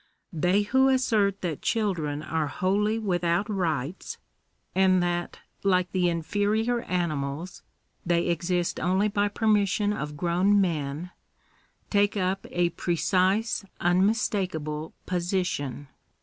They who assert that children are wholly without rights, and that, like the inferior animals, they exist only by permission of grown men, take up a precise, unmistakable position.